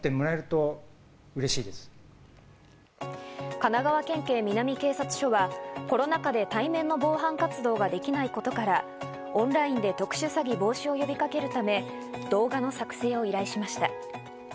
神奈川県警南警察署は、コロナ禍で対面の防犯活動ができないことから、オンラインで特殊詐欺防止を呼びかけるため動画の作成を依頼しました。